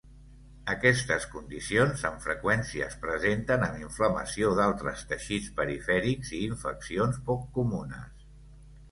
Aquestes condicions amb freqüència es presenten amb inflamació d'altres teixits perifèrics i infeccions poc comunes.